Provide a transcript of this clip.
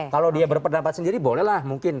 kalau dia berpendapat sendiri bolehlah mungkin